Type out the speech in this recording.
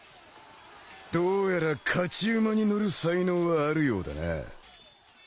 どうやら勝ち馬に乗る才能はあるようだな。